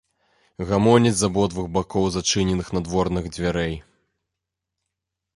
Гамоняць з абодвух бакоў зачыненых надворных дзвярэй.